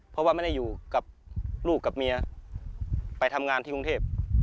เพราะว่าไม่ได้อยู่กับลูกกับเมียไปทำงานที่กรุงเทพ